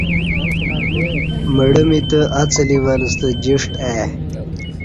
مڑہ می تہ اہ څلی ول ستہ جݜٹ ای